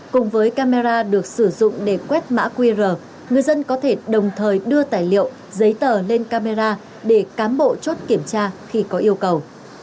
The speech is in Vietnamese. cùng với camera được sử dụng để quét mã qr người dân có thể đồng thời đưa tài liệu giấy tờ lên camera để cám bộ chốt kiểm tra khi có yêu cầu